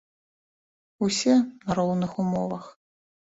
Усе на роўных умовах.